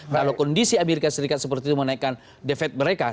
kalau kondisi amerika serikat seperti itu menaikkan defek mereka